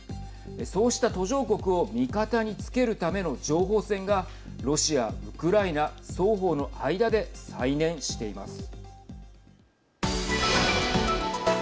そうした途上国を味方につけるための情報戦がロシア・ウクライナ双方の間で再燃しています。